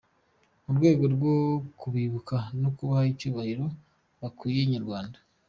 Mu rwego rwo kubibuka no kubaha icyubahiro bakwiriye, Inyarwanda.